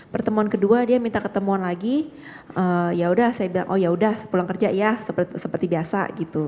pertemuan kedua dia minta ketemuan lagi yaudah saya bilang oh yaudah pulang kerja ya seperti biasa gitu